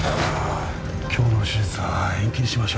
今日の手術は延期にしましょう。